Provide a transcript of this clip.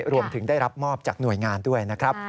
รวมถึงได้รับมอบจากหน่วยงานด้วยนะครับ